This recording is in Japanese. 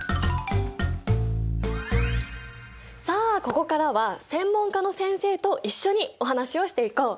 さあここからは専門家の先生と一緒にお話をしていこう。